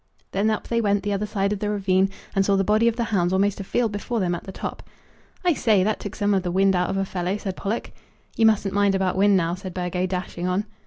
Then up they went the other side of the ravine, and saw the body of the hounds almost a field before them at the top. "I say, that took some of the wind out of a fellow," said Pollock. "You mustn't mind about wind now," said Burgo, dashing on.